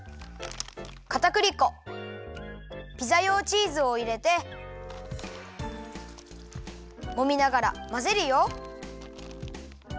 かたくり粉ピザ用チーズをいれてもみながらまぜるよ。